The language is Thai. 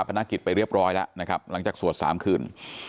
นักกิจไปเรียบร้อยแล้วนะครับหลังจากสวด๓คืน